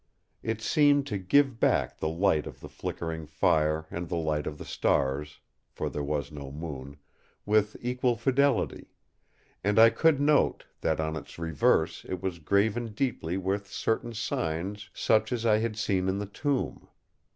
It seemed to give back the light of the flickering fire and the light of the stars—for there was no moon—with equal fidelity; and I could note that on its reverse it was graven deeply with certain signs such as I had seen in the tomb.